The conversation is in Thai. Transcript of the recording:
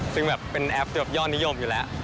ซึ่งแบบเป็นแอปแบบยอดนิยมอยู่แล้ว